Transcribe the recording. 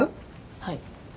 はい。